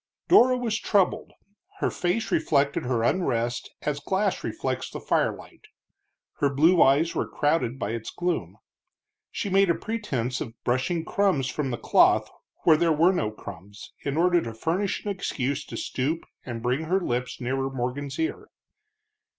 Dora was troubled; her face reflected her unrest as glass reflects firelight, her blue eyes were clouded by its gloom. She made a pretense of brushing crumbs from the cloth where there were no crumbs, in order to furnish an excuse to stoop and bring her lips nearer Morgan's ear.